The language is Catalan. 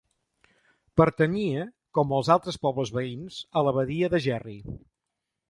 Pertanyia, com els altres pobles veïns, a l'abadia de Gerri.